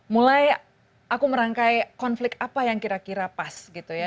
mulai aku merangkai konflik apa yang kira kira pas gitu ya